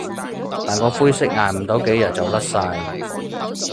但個灰色捱唔到幾日就甩晒